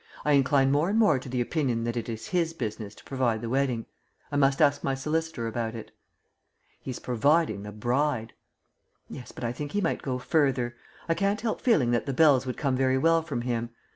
I incline more and more to the opinion that it is his business to provide the wedding. I must ask my solicitor about it." "He's providing the bride." "Yes, but I think he might go further. I can't help feeling that the bells would come very well from him.